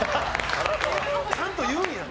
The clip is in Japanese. ちゃんと言うんやね。